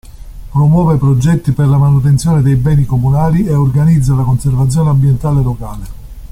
Promuove progetti per la manutenzione dei beni comunali e organizza la conservazione ambientale locale.